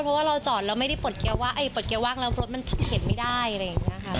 เพราะว่าเราจอดแล้วไม่ได้ปลดเกียร์ว่าปลดเกียร์ว่างแล้วรถมันเห็นไม่ได้อะไรอย่างนี้ค่ะ